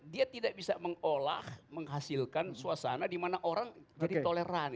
dia tidak bisa mengolah menghasilkan suasana di mana orang jadi toleran